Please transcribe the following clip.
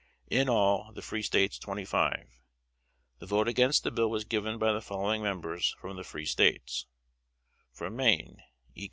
In all the free States twenty five. The vote against the bill was given by the following members, from the free States: From Maine: E.